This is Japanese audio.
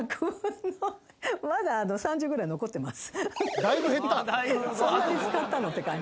まだ３０ぐらい残ってます。